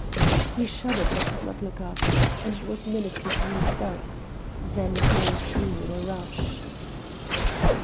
He shuddered but did not look up, and it was minutes before he spoke. Then it all came in a rush.